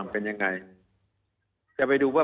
มีความรู้สึกว่ามีความรู้สึกว่า